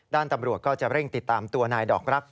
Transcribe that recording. ตำรวจก็จะเร่งติดตามตัวนายดอกรัก